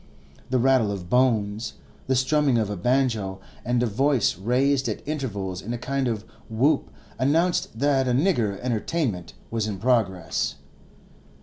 The rattle of bones, the strumming of a banjo, and a voice raised at intervals in a kind of whoop announced that a nigger entertainment was in progress.